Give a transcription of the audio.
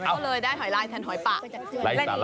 เอาเลยได้หอยลายแทนหอยป่ะ